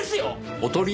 おとり？